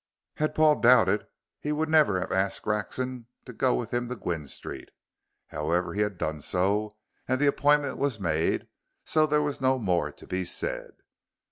Had Paul doubted he would never have asked Grexon to go with him to Gwynne Street. However, he had done so, and the appointment was made, so there was no more to be said.